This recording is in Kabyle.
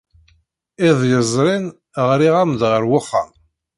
Iḍ yezrin, ɣriɣ-am-d ɣer wexxam.